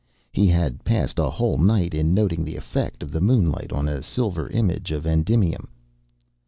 He had passed a whole night in noting the effect of the moonlight on a silver image of Endymion.